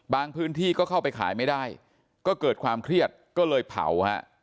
พื้นที่ก็เข้าไปขายไม่ได้ก็เกิดความเครียดก็เลยเผาฮะ